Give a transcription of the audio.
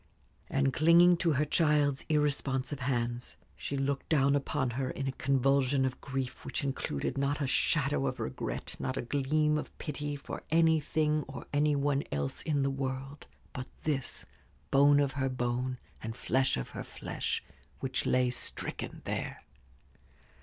And clinging to her child's irresponsive hands, she looked down upon her in a convulsion of grief, which included not a shadow of regret, not a gleam of pity for anything or any one else in the world but this bone of her bone and flesh of her flesh, which lay stricken there.